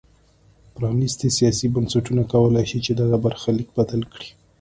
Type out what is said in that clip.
پرانیستي سیاسي بنسټونه کولای شي چې دغه برخلیک بدل کړي.